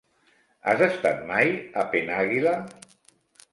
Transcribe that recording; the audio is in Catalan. Has estat mai a Penàguila?